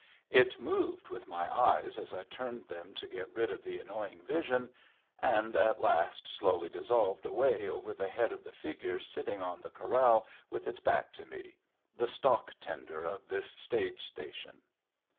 It moved with my eyes as I turned them to get rid of the annoying vision, and it at last slowly dissolved away over the head of the figure sitting on the corral with its back to me, the stock tender of this stage station.